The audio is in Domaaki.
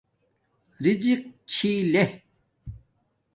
رزِق چھی لے